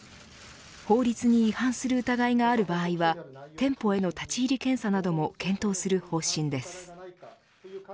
法律に違反する疑いがある場合は店舗への立ち入り検査なども検討する方針です。